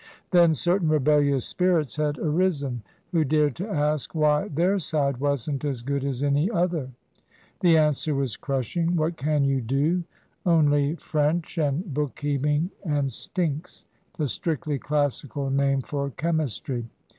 Then certain rebellious spirits had arisen, who dared to ask why their side wasn't as good as any other? The answer was crushing. "What can you do? Only French, and book keeping and `stinks'" (the strictly Classical nickname for chemistry).